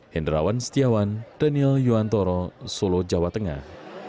hendrawan setiawan daniel yuwantoro solo jawa tengah